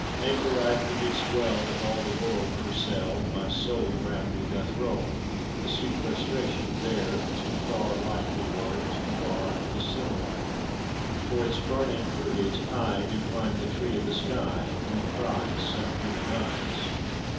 Anchorite, who didst dwell With all the world for cell, My soul Round me doth roll A sequestration bare. Too far alike we were, Too far Dissimilar. For its burning fruitage I Do climb the tree o' the sky; Do prize Some human eyes.